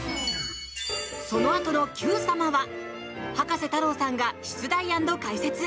そのあとの「Ｑさま！！」は葉加瀬太郎さんが出題＆解説。